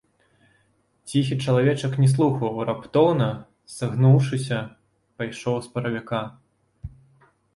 Ціхі чалавечак не слухаў, раптоўна, сагнуўшыся, пайшоў з паравіка.